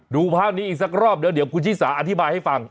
ดูภาพนี้อีกสักรอบเดี๋ยวคุณชิสาอธิบายให้ฟัง